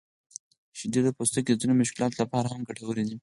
شیدې د پوستکي د ځینو مشکلاتو لپاره هم ګټورې دي.